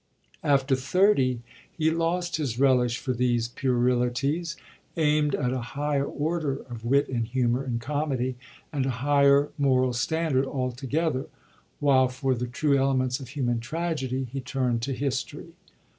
After thirty he lost his relish for these puerilities, aimed at a higher order of wit and humour in comedy, and a higher moral standard altogether; while for the true elements of human tragedy he turned to history.